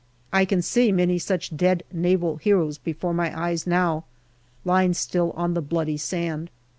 I can see many such dead Naval heroes before my eyes now, lying still on the bloody sand.